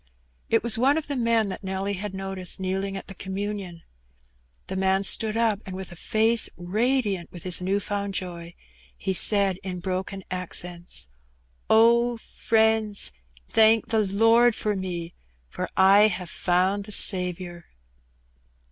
It was one of the men that Nelly had noticed kneeling at the communion. The man stood up, and with a face radiant with his new found joy, he said in broken accents — '^Oh, friends, thank the Lord for me, for I have found the Saviour